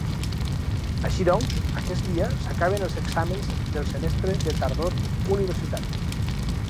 Així doncs, aquest dia s'acaben els exàmens del semestre de tardor universitari.